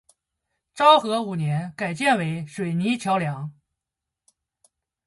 昭和五年改建为水泥桥梁。